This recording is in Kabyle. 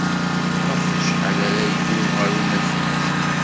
Ɣef wacḥal ara yeddu ɣer unafag?